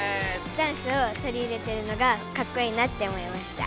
ダンスをとり入れてるのがかっこいいなって思いました。